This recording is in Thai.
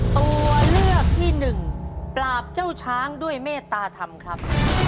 ตัวเลือกที่หนึ่งปราบเจ้าช้างด้วยเมตตาธรรมครับ